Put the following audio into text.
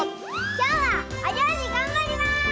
きょうはおりょうりがんばります！